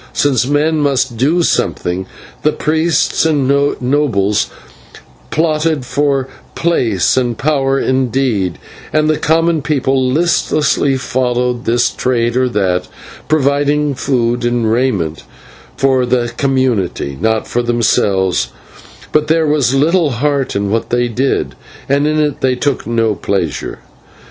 Since men must do something, the priests and nobles plotted for place and power indeed, and the common people listlessly followed this trade or that, providing food and raiment for the community not for themselves but there was little heart in what they did, and they took no pleasure in it.